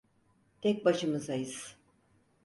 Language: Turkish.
Tek başımızayız.